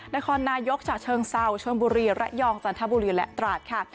นครนายกจากเชิงเศร้าเชิงบุรีและยอกจันทบุรีและตราชค่ะ